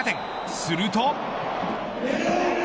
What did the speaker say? すると。